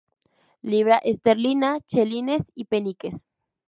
Libra esterlina, chelines y peniques.